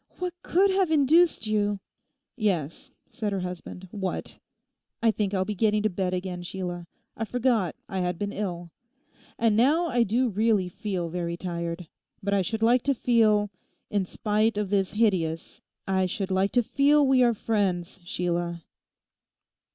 What could have induced you....?' 'Yes,' said her husband, 'what! I think I'll be getting to bed again, Sheila; I forgot I had been ill. And now I do really feel very tired. But I should like to feel—in spite of this hideous—I should like to feel we are friends, Sheila.